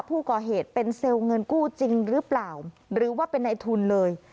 ผู้ก่อเหตุเป็นเซลล์เงินกู้จริงหรือเปล่าหรือว่าเป็นในทุนเลย